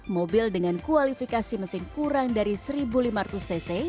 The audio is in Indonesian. mobil dengan kualifikasi mesin kurang dari satu lima ratus cc